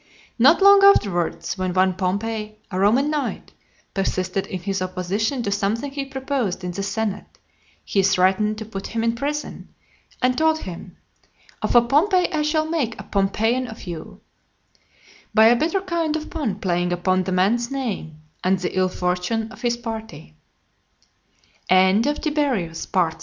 Not long afterwards, when one Pompey, a Roman knight, persisted in his opposition to something he proposed in the senate, he threatened to put him in prison, and told him, "Of a Pompey I shall make a Pompeian of you;" by a bitter kind of pun playing upon the man's name, and the ill fortune of his party.